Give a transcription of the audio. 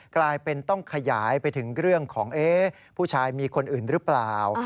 กลายเป็นต้องขยายไปถึงเรื่องของผู้ชายมีคนอื่นหรือเปล่า